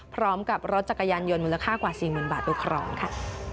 พร้อมกับรถจักรยานยนต์มูลค่ากว่า๔๐๐๐บาทไปครองค่ะ